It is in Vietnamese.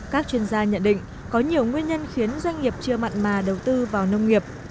các chuyên gia nhận định có nhiều nguyên nhân khiến doanh nghiệp chưa mặn mà đầu tư vào nông nghiệp